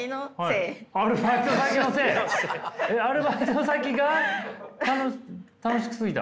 アルバイト先が楽しすぎた？